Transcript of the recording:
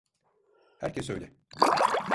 Herkes öyle.